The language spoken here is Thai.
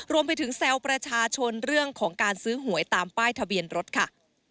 รวมไปถึงแซวประชาชนเรื่องของการซื้อหวยตามป้ายทะเบียนรถค่ะ